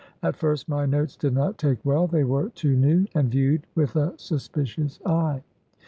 At first, my notes did not. take well; they were too new, and viewed with a suspicious eye.